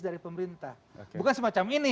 dari pemerintah bukan semacam ini